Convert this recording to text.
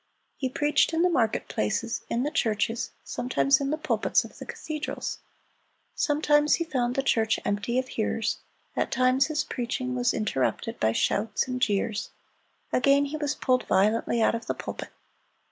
He preached in the market places, in the churches, sometimes in the pulpits of the cathedrals. Sometimes he found the church empty of hearers; at times his preaching was interrupted by shouts and jeers; again he was pulled violently out of the pulpit.